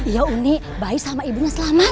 ya unik bayi sama ibunya selamat